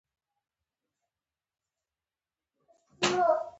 د حالت دغه تبديلي د غوسې د ختمېدو لامل شي.